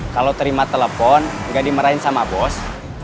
kalau terima telepon nggak dimarahin sama bos